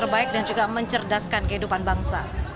terbaik dan juga mencerdaskan kehidupan bangsa